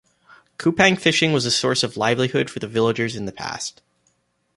Kupang fishing was a source of livelihood for the villagers in the past.